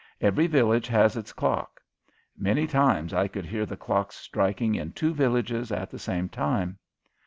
Every village has its clock. Many times I could hear the clocks striking in two villages at the same time.